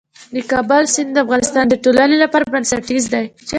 د کابل سیند د افغانستان د ټولنې لپاره بنسټيز دی.